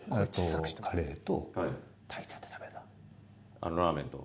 あのラーメンと。